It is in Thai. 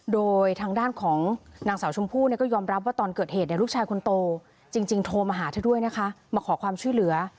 โดยทางด้านของนางสาวชมพู่ก็ยอมรับว่าตอนเกิดเหตุลูกชายคนโตจริงโทรมาหาเธอด้วยนะคะมาขอความช่วยเหลือ